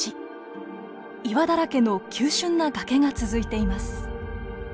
岩だらけの急しゅんな崖が続いています。